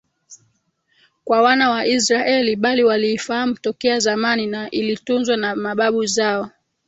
kwa wana wa Israeli bali waliifahamu tokea zamani na ilitunzwa na mababu zao